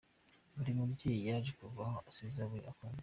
Buri mubyeyi yaje kuhava, asize abe akunda.